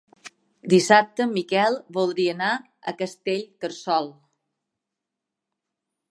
Dissabte en Miquel voldria anar a Castellterçol.